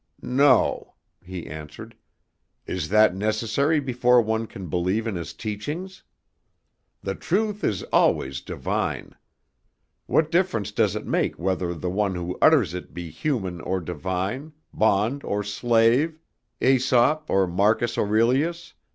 "No," he answered. "Is that necessary before one can believe in his teachings? The truth is always divine. What difference does it make whether the one who utters it be human or divine, bond or slave, Æsop or Marcus Aurelius?